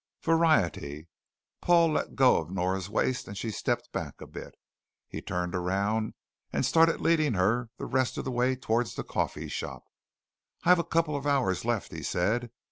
"Variety." Paul let go of Nora's waist and she stepped back a bit. He turned around and started leading her the rest of the way towards the coffee shop. "I've a couple of hours left," he said.